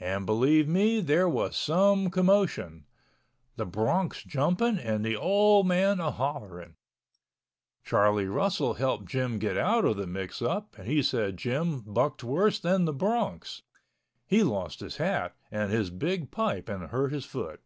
And believe me there was some commotion—the broncs jumping and the old man a hollering. Charlie Russell helped Jim get out of the mix up and he said Jim bucked worse than the broncs. He lost his hat and his big pipe and hurt his foot.